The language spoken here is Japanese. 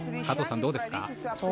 加藤さん、どうですか？